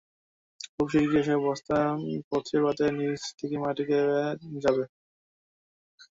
খুব শিগগির এসব বস্তা পচে বাঁধের নিচ থেকে মাটি দেবে যাবে।